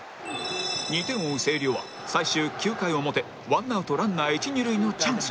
２点を追う星稜は最終９回表ワンアウトランナー一二塁のチャンス